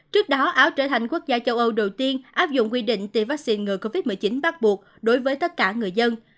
trước đó áo trở thành quốc gia châu âu đầu tiên áp dụng quy định tiêm vaccine ngừa covid một mươi chín bắt buộc đối với tất cả người dân